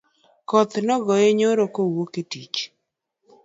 Koth nogoye nyoro kowuok e tich